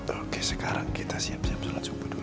oke sekarang kita siap siap jalan subuh dulu